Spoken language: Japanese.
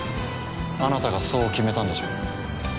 あなたがそう決めたんでしょう？